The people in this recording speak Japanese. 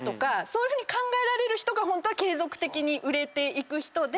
そういうふうに考えられる人がホントは継続的に売れていく人で。